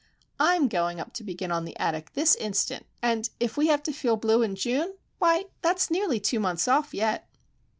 I'm going up to begin on the attic this instant; and if we have to feel blue in June,—why, that's nearly two months off, yet."